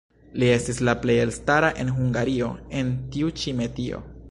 Li estis la plej elstara en Hungario en tiu ĉi metio.